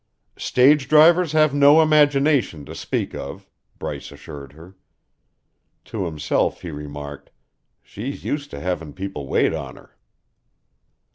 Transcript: "Stage drivers have no imagination, to speak of," Bryce assured her. To himself he remarked: "She's used to having people wait on her."